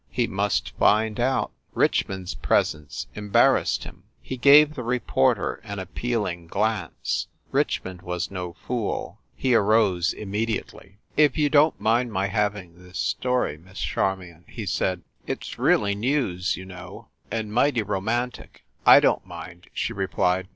He must find out. Richmond s pres ence embarrassed him. He gave the reporter an ap pealing glance. Richmond was no fool. He arose immediately. 324 FIND THE WOMAN "If you don t mind my having this story, Miss Charmion," he said; "it s really news, you know, and mighty romantic." "I don t mind," she replied.